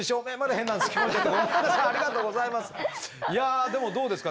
いやでもどうですか？